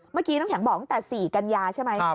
เมื่อกี้น้ำแข็งบอกตั้งแต่๔กันยาใช่ไหม